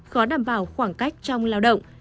khó đảm bảo khoảng cách trong lao động